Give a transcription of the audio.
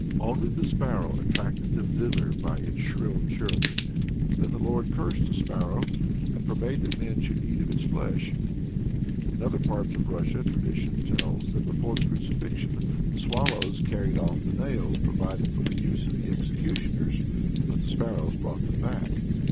Only the sparrow attracted them thither by its shrill chirruping. Then the Lord cursed the sparrow, and forbade that men should eat of its flesh. In other parts of Russia, tradition tells that before the crucifixion the swallows carried off the nails provided for the use of the executioners, but the sparrows brought them back.